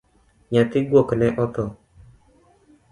Nyathi guok ne otho